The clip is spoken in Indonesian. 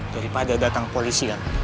daripada datang polisi kan